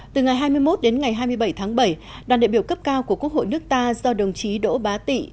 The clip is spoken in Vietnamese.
từ ngày hai mươi một đến ngày hai mươi bảy tháng bảy đoàn đại biểu cấp cao của quốc hội nước ta do đồng chí đỗ bá tị